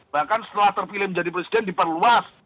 bahkan setelah terpilih menjadi presiden diperluas